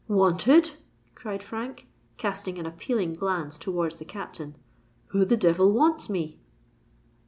"Wanted!" cried Frank, casting an appealing glance towards the Captain: "who the devil wants me?"